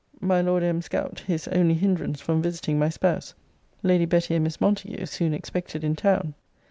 'My Lord M.'s gout his only hindrance from visiting my spouse. Lady Betty and Miss Montague soon expected in town.